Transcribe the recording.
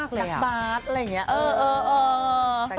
รักบาทอะไรอย่างนี้